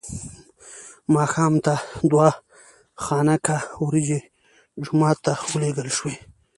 ماښام ته دوه خانکه وریجې جومات ته ولېږل شوې.